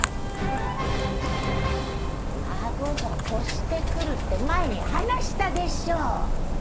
孫が越してくるって前に話したでしょ。